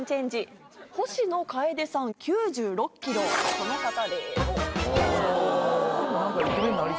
この方です。